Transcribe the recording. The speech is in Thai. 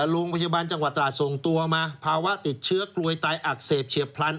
โรงพยาบาลจังหวัดตราดส่งตัวมาภาวะติดเชื้อกลวยตายอักเสบเฉียบพลัน